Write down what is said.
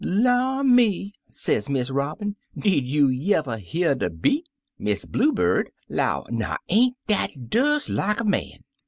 "'La, me!' sez Miss Robin, 'did you y'ever hear de beat?* Miss Blue Bird 'low, 'Now, ain't dat des like a man!'